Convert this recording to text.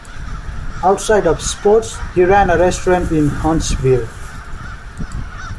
Outside of sports, he ran a restaurant in Huntsville.